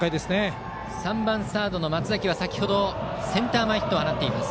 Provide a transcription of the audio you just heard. バッターの３番サード、松崎は先程、センター前ヒットを放っています。